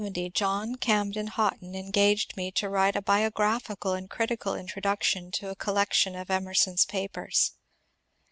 In 1870 John Camden Hotten engaged me to write a bio g^phical and critical introduction to a collection of Emer son's papers.